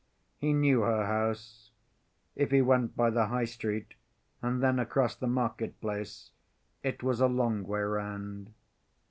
He knew her house. If he went by the High Street and then across the market‐place, it was a long way round.